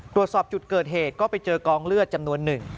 ตรวจสอบจุดเกิดเหตุก็ไปเจอกองเลือดจำนวนหนึ่ง